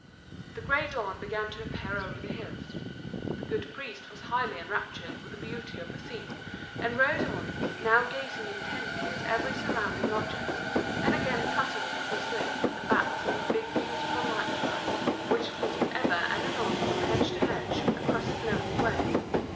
The grey dawn began to appear over the hills. The good priest was highly enraptured with the beauty of the scene, and rode on, now gazing intently at every surrounding object, and again cutting with his whip at the bats and big beautiful night flies which flitted ever and anon from hedge to hedge across his lonely way.